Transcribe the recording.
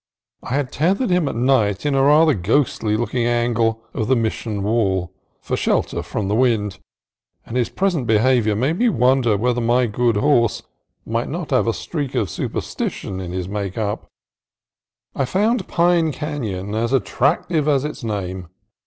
I had tethered him at night in a rather ghostly looking angle of the Mission wall, for shelter from the wind; and his present behavior made me wonder whether my good horse might not have a streak of superstition in his make up. 130 CALIFORNIA COAST TRAILS I found Pine Canon as attractive as its name.